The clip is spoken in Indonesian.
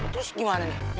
terus gimana ya